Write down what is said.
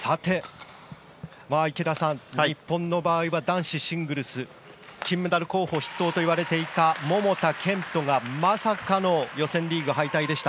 池田さん、日本の場合は男子シングルス金メダル候補筆頭といわれていた桃田賢斗がまさかの予選リーグ敗退でした。